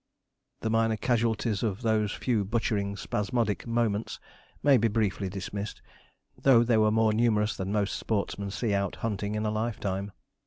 The minor casualties of those few butchering spasmodic moments may be briefly dismissed, though they were more numerous than most sportsmen see out hunting in a lifetime.